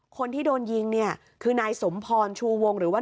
คนที่โดนยิงเนี่ยคือนายสมพรชูวงหรือว่า